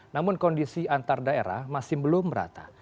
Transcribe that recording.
namun kondisi antardaerah masih belum merata